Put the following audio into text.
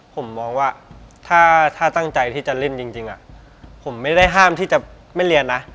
ผมมองว่าถ้าตั้งใจที่จะเล่นจริงผมไม่ได้ห้ามที่จะไม่เรียนนะ